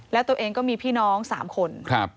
แล้วตัวเองก็มีพี่น้อง๓คน